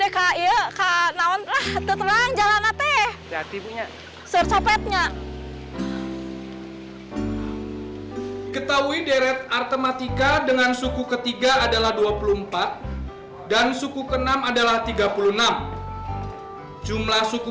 ketahui deret matematika dengan suku ketiga adalah dua puluh empat dan suku ke enam adalah tiga puluh enam jumlah suku